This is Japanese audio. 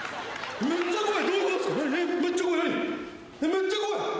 めっちゃ怖い。